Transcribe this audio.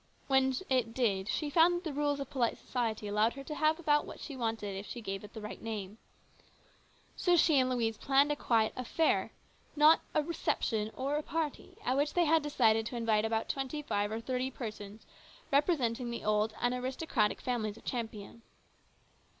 When it did, she found that the rules of polite society allowed her to have about what she wanted if she gave it the right name. So she and Louise had planned a quiet " affair," not a " reception " or a " party," at which they had decided to invite about twenty five or thirty persons representing the old and aristocratic families of Champion.